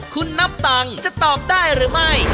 คุณนับตังค์จะตอบได้หรือไม่